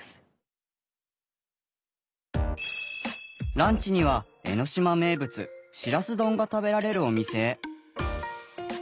ランチには江の島名物しらす丼が食べられるお店へ。